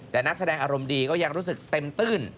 แต่นักแสดงอารมณ์ดีก็ยังรู้สึกเต็มตื้น